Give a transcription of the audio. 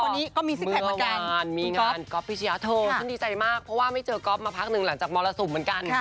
ต่อมือวานมีงานก๊อบพิชยาโทดีใจมากเพราะว่าไม่เจอก๊อบมาพักหนึ่งหลังจากมอลล่าสุมเหมือนกัน